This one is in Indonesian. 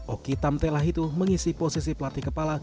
oki tamtela hitu mengisi posisi pelatih kepala